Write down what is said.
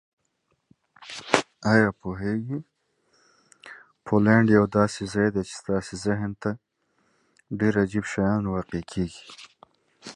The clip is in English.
You know, Poland is a place where very strange things happen to your mind.